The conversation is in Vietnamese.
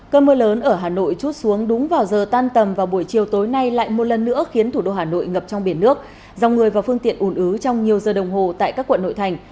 cơn mưa lớn ở hà nội chút xuống đúng vào giờ tan tầm vào buổi chiều tối nay lại một lần nữa khiến thủ đô hà nội ngập trong biển nước dòng người và phương tiện ủn ứ trong nhiều giờ đồng hồ tại các quận nội thành